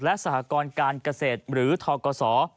และสหกรการเกษตรหรือทกศ